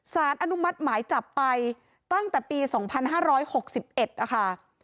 สารอนุมัติหมายจับไปตั้งแต่ปี๒๕๖๑นะคะ